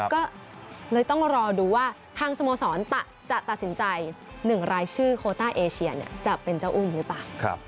ก็เลยต้องรอดูว่าทางสโมสรจะตัดสินใจ๑รายชื่อโคต้าเอเชียจะเป็นเจ้าอุ้มหรือเปล่า